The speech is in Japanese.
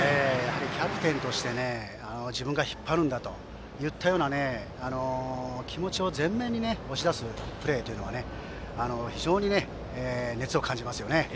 キャプテンとして自分が引っ張るんだというような気持ちを前面に押し出すプレーというのが非常に熱を感じますね。